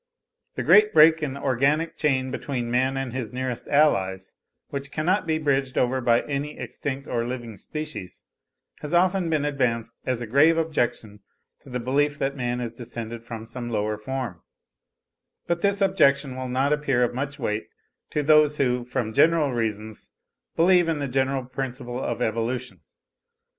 The great break in the organic chain between man and his nearest allies, which cannot be bridged over by any extinct or living species, has often been advanced as a grave objection to the belief that man is descended from some lower form; but this objection will not appear of much weight to those who, from general reasons, believe in the general principle of evolution.